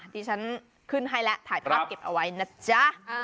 ที่ฉันขึ้นให้แล้วถ่ายภาพเก็บเอาไว้นะจ๊ะ